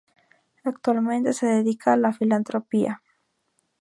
Actualmente se dedica a la filantropía.